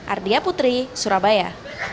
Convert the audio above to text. ardia putri surabaya